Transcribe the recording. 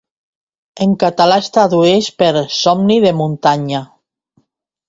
En català es tradueix per "somni de muntanya".